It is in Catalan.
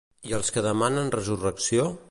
I els que demanen resurrecció?